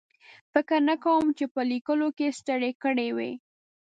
فکر نه کوم چې په لیکلو کې ستړی کړی وي.